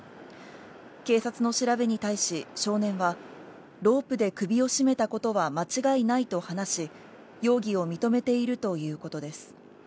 警察の調べに対し、少年は、ロープで首を絞めたことは間違いないと話し、容疑を認めているということです。